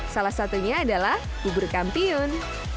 salah satunya adalah bubur kampiun